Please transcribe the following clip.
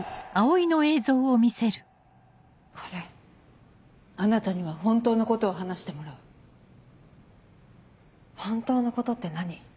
これあなたには本当のことを話してもらう本当のことって何？